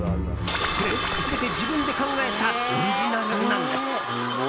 全て自分で考えたオリジナルなんです。